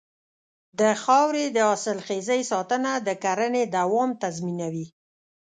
د خاورې د حاصلخېزۍ ساتنه د کرنې دوام تضمینوي.